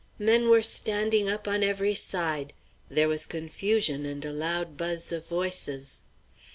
Men were standing up on every side. There was confusion and a loud buzz of voices.